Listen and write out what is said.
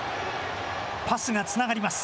パスがつながります。